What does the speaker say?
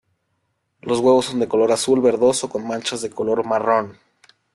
Los huevos son de color azul verdoso con manchas de color marrón.